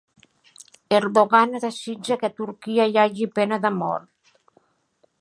Erdogan desitja que a Turquia hi hagi pena de mort